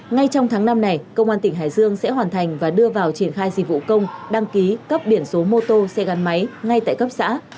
ngay trong tháng năm này công an tỉnh hải dương sẽ hoàn thành và đưa vào triển khai dịch vụ công đăng ký cấp biển số mô tô xe gắn máy ngay tại cấp xã